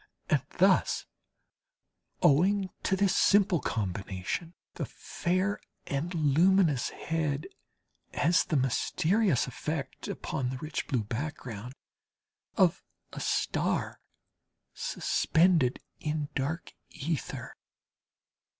And thus, owing to this simple combination, the fair and luminous head has the mysterious effect, upon the rich blue background, of a star suspended in dark ether.